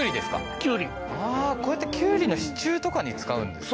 きゅうりああこうやってきゅうりの支柱とかに使うんですね